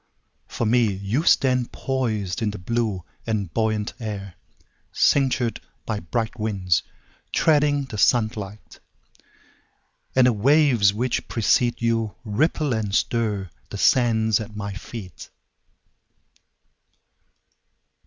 For me, You stand poisedIn the blue and buoyant air, Cinctured by bright winds, Treading the sunlight. And the waves which precede youRipple and stirThe sands at my feet.